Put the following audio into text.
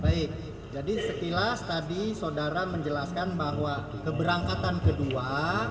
baik jadi sekilas tadi saudara menjelaskan bahwa keberangkatan kedua